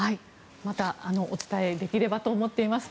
またお伝えできればと思っています。